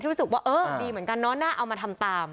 แต่อย่างนี้ที่รู้สึกว่าเออดีเหมือนกันน่ะน่าเอามาทำตาม